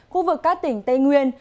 khu vực các tỉnh tây nguyên